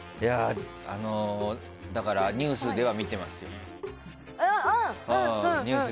だから、ニュースでは見てますよ。